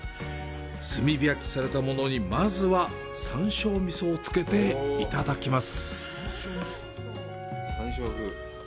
炭火焼きされたものに、まずは山椒味噌をつけていただきます。